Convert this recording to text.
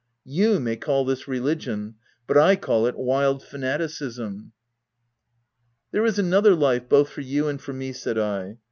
You may call this religion, but /call it wild fanaticism \" cs There is another life both for you and for me," said I.